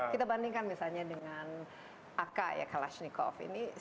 kita bandingkan misalnya dengan ak kalashnikov ini